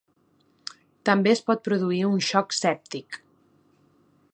També es pot produir un xoc sèptic.